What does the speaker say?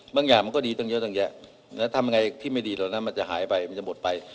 อย่างมันก็ดีตั้งเยอะตั้งแยะทำยังไงที่ไม่ดีเหล่านั้นมันจะหายไปมันจะหมดไป